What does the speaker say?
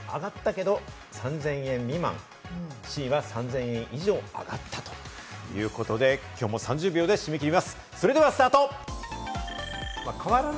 Ａは変わらない、Ｂは上がったけど３０００円未満、Ｃは３０００円以上、上がったということで、今日も３０秒で締め切ります。